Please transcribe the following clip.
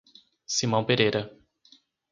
Simão Pereira